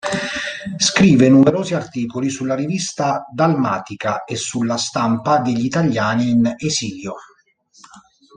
Scrive numerosi articoli sulla rivista dalmatica e sulla stampa degli italiani in esilio.